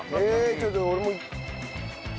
ちょっと俺も。